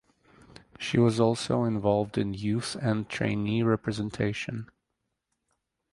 She was also involved in youth and trainee representation.